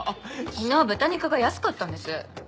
昨日豚肉が安かったんです。